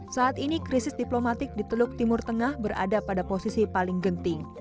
saat ini krisis diplomatik di teluk timur tengah berada pada posisi paling genting